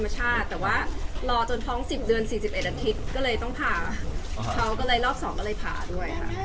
ใช่ไหมความรู้สึก๊ไหว